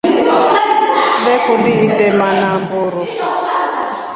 Vee kundi itema namburu.